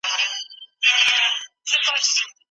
دولتي قدرت د ساتلو له پاره کارېږي.